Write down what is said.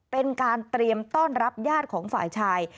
เป็นการเตรียมต้อนรับญาติของฝ่ายชาย